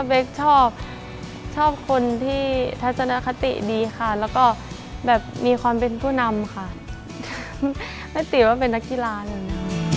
เบคชอบคนที่ทัศนคติดีค่ะแล้วก็แบบมีความเป็นผู้นำค่ะแม่ติว่าเป็นนักกีฬาเหมือนกัน